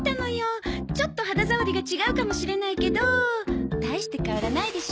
ちょっと肌触りが違うかもしれないけど大して変わらないでしょ？